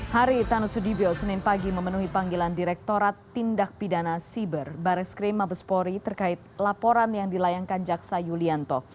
hari tanu sudibio senin pagi memenuhi panggilan direktorat tindak pidana siber barres krim mabespori terkait laporan yang dilayangkan jaksa yulianto